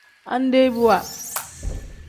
Andebiwa.